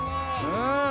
うん。